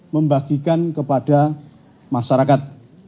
membagikan kepada masyarakat